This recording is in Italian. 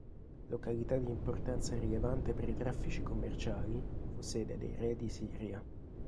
Località di importanza rilevante per i traffici commerciali, fu sede dei Re di Siria.